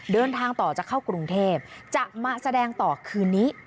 เดินทางต่อจะเข้ากรุงเทพจะมาแสดงต่อคืนนี้